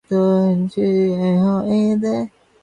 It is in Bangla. তিনি এই সভায় খ্রিস্ট ধর্মে ধর্মান্তরিত না হওয়ার শপথও নেন।